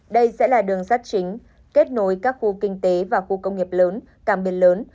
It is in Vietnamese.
đây sẽ là đường sắt chính kết nối các khu kinh tế và khu công nghiệp lớn càng biển lớn